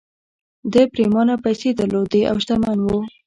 ده پرېمانه پيسې درلودې او شتمن و